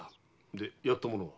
で殺った者は？